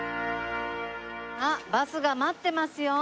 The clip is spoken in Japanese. あっバスが待ってますよ。